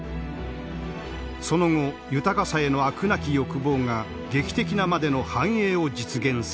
その後豊かさへの飽くなき欲望が劇的なまでの繁栄を実現させた。